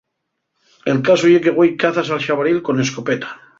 El casu ye que güei cázase al xabaril con escopeta.